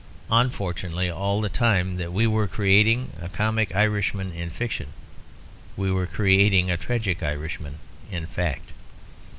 Unfortunately, all the time that we were creating a comic Irishman in fiction, we were creating a tragic Irishman in fact.